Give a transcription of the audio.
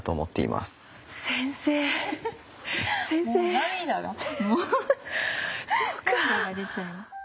涙が出ちゃいます。